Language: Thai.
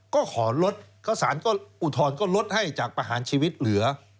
ก็ขอลดก็สารก็อุทธรณ์ก็ลดให้จากประหารชีวิตเหลือ